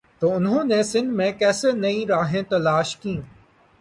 تو انہوں نے سندھ میں کیسے نئی راہیں تلاش کیں۔